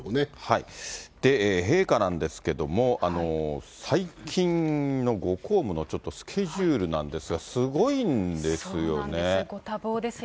陛下なんですけども、最近のご公務の、ちょっとスケジュールなんですが、すごいんですそうなんです。